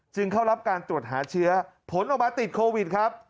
เข้ารับการตรวจหาเชื้อผลออกมาติดโควิดครับ